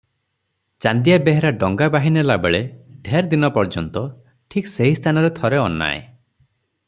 ଚାନ୍ଦିଆ ବେହେରା ଡଙ୍ଗା ବାହିନେଲାବେଳେ ଢେର୍ ଦିନପର୍ଯ୍ୟନ୍ତ ଠିକ୍ ସେହି ସ୍ଥାନରେ ଥରେ ଅନାଏ ।